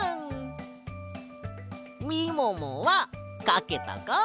みももはかけたか？